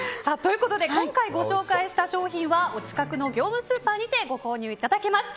今回ご紹介した商品はお近くの業務スーパーにてご購入いただけます。